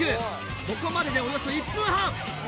ここまででおよそ１分半！